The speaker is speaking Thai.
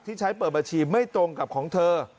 ที่ใช้เปิดบัญชีไม่ตรงกับของเธอ